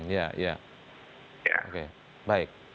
ya ya oke baik